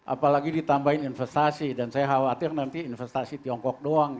apalagi ditambahin investasi dan saya khawatir nanti investasi tiongkok doang